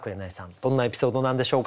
どんなエピソードなんでしょうか？